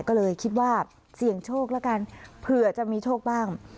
ก็เลยคิดว่าเสี่ยงโชคแล้วกันเผื่อจะมีโชคบ้าง